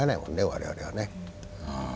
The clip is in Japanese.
我々はね。